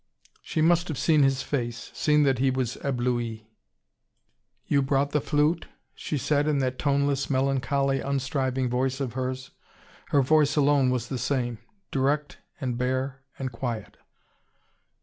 She must have seen his face, seen that he was ebloui. "You brought the flute?" she said, in that toneless, melancholy, unstriving voice of hers. Her voice alone was the same: direct and bare and quiet.